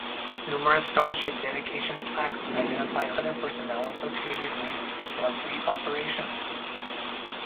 Numerous star ship dedication plaques identify other personnel associated with Starfleet Operations.